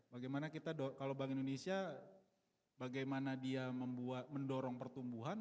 bagaimana kita kalau bank indonesia bagaimana dia mendorong pertumbuhan